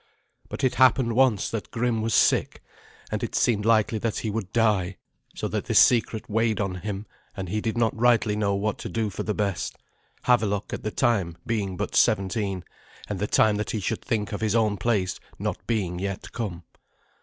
But it happened once that Grim was sick, and it seemed likely that he would die, so that this secret weighed on him, and he did not rightly know what to do for the best, Havelok at the time being but seventeen, and the time that he should think of his own place not being yet come.